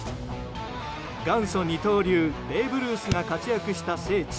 元祖二刀流ベーブ・ルースが活躍した聖地